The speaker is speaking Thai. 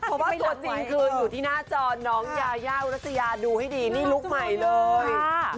เพราะว่าตัวจริงคืออยู่ที่หน้าจอน้องยายาอุรัสยาดูให้ดีนี่ลุคใหม่เลย